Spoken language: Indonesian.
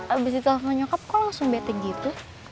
abis di telepon nyokap kok lo langsung bete gitu